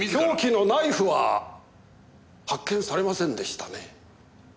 凶器のナイフは発見されませんでしたね。